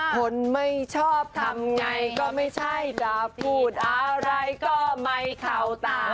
คนไม่ชอบทำไงก็ไม่ใช่จะพูดอะไรก็ไม่เข้าตา